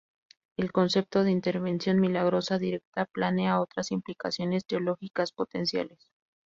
El concepto de intervención milagrosa directa plantea otras implicaciones teológicas potenciales.